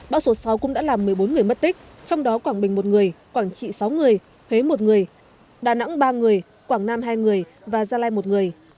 bão số sáu cũng đã làm một mươi bốn người mất tích trong đó quảng bình một người quảng trị sáu người huế một người đà nẵng ba người quảng nam hai người và gia lai một người